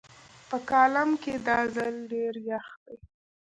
په کالام کې دا ځل ډېر يخ دی